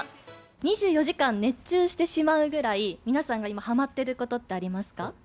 ２４時間熱中してしまうぐらい、皆さんが今、はまってることってありますか。